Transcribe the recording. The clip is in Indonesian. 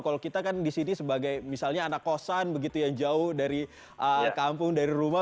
kalau kita kan di sini sebagai misalnya anak kosan begitu yang jauh dari kampung dari rumah